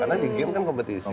karena di game kan kompetisi